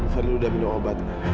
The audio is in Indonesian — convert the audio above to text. fadil udah minum obat